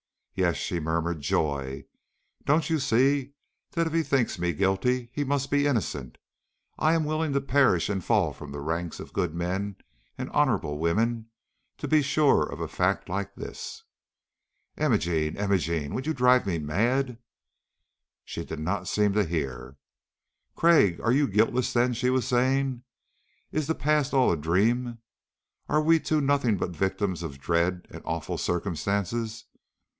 "Yes," she murmured, "joy! Don't you see that if he thinks me guilty, he must be innocent? I am willing to perish and fall from the ranks of good men and honorable women to be sure of a fact like this!" "Imogene, Imogene, would you drive me mad?" She did not seem to hear. "Craik, are you guiltless, then?" she was saying. "Is the past all a dream! Are we two nothing but victims of dread and awful circumstances?